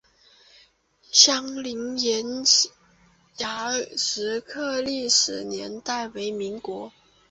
凌霄岩摩崖石刻的历史年代为民国。